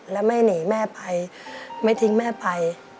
แล้วไม่หนีแม่ไปไม่ทิ้งแม่ไป